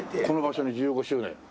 この場所に１５周年。